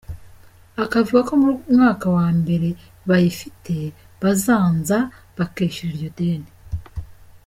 Akavuga ko mu mwaka wa mbere bayifite bazanza bakishyura iryo deni.